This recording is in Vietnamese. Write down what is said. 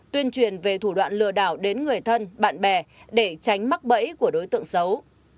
tuyên truyền về thủ đoạn lừa đảo đến người thân bạn bè để tránh mắc bẫy của đối tượng xấu